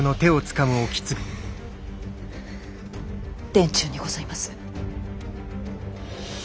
殿中にございます！